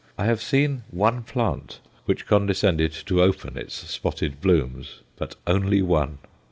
I have seen one plant which condescended to open its spotted blooms, but only one.